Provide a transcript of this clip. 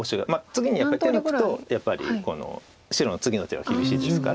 次にやっぱり手抜くとやっぱり白の次の手が厳しいですから。